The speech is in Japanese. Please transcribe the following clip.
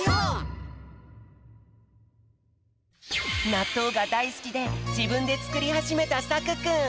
なっとうがだいすきでじぶんでつくりはじめたさくくん。